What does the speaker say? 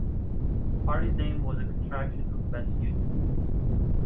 The party's name was a contraction of 'best union'.